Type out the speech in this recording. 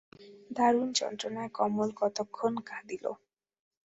দারুণ যন্ত্রণায় কমল কতক্ষণ কাঁদিল।